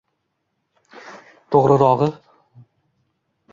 To’g’rirog’i —